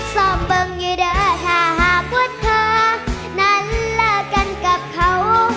ส้อมเบิ้งอยู่เด้อท่าหาพุทธเธอนั้นเลิกกันกับเขา